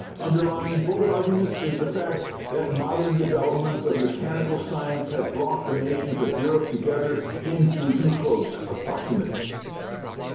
Underlying both arguments is the fact that modern developments of mechanical science have brought the nations of Europe together into too close a proximity.